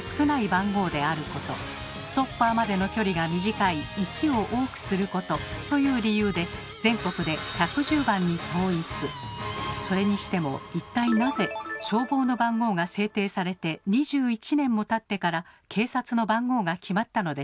番号であることストッパーまでの距離が短い「１」を多くすることという理由でそれにしても一体なぜ消防の番号が制定されて２１年もたってから警察の番号が決まったのでしょうか？